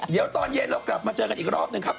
เดี๋ยวตอนเย็นเรากลับมาเจอกันอีกรอบหนึ่งครับ